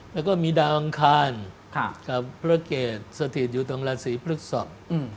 แล้วก็มีดาวอังคารกับพระเกตสถิตอยู่ตรงราศีพฤกษก